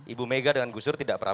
ibu mega dengan gusur tidak pernah